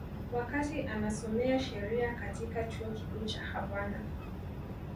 Wakati anasomea sheria katika Chuo Kikuu cha Havana